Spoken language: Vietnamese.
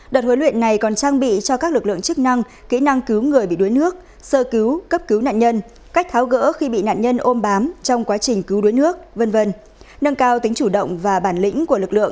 đợt huấn luyện này còn trang bị cho các lực lượng chức năng kỹ năng cứu người bị đuối nước sơ cứu cấp cứu nạn nhân